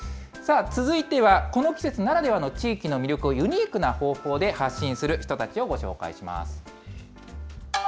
さあ、続いてはこの季節ならではの地域の魅力をユニークな方法で発信する人たちをご紹介します。